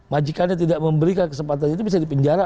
majikannya tidak memberikan kesempatan itu bisa dipenjara